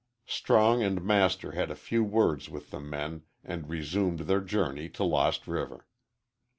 Strong and Master had a few words with the men and resumed their journey to Lost River.